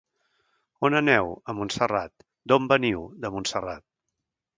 On aneu? —A Montserrat. —D'on veniu? —De Montserrat.